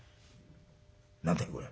何だいこれ。